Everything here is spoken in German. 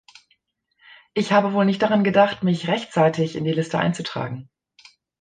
Ich habe wohl nicht daran gedacht, mich rechtzeitig in die Liste einzutragen.